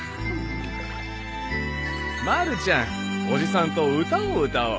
まるちゃんおじさんと歌を歌おう。